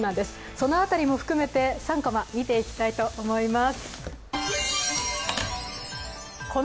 その辺りも含めて３コマ見ていきたいと思います。